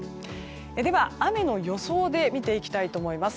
では、雨の予想で見ていきたいと思います。